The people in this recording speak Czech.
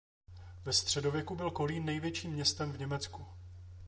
Ve středověku byl Kolín největším městem v Německu.